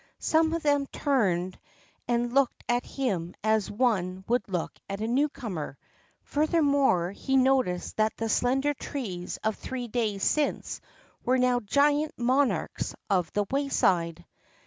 Some of them turned and looked at him as one would look at a newcomer. Furthermore, he noticed that the slender trees of three days since were now giant monarchs of the wayside.